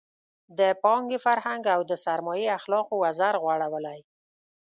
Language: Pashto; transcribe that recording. د پانګې فرهنګ او د سرمایې اخلاقو وزر غوړولی.